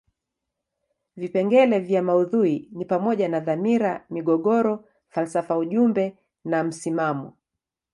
Vipengele vya maudhui ni pamoja na dhamira, migogoro, falsafa ujumbe na msimamo.